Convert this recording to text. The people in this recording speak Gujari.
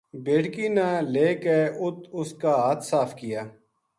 بیٹکی نا لے کے اُت اس کا ہتھ صاف کیا۔